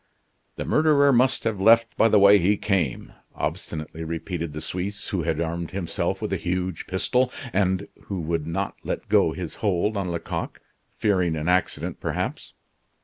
"The murderer must have left by the way he came," obstinately repeated the Suisse who had armed himself with a huge pistol, and who would not let go his hold on Lecoq, fearing an accident perhaps.